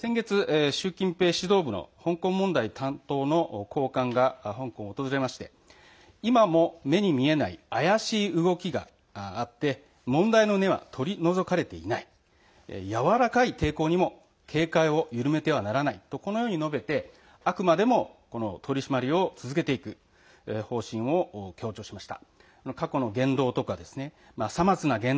先月、香港の指導部の香港問題担当の方が香港を訪れまして今も目に見えない怪しい動きがあって問題の根は取り除かれていないやわらかい抵抗に警戒を緩めてはならないと述べてあくまでも取り締まりを続けていく方針を強調しました。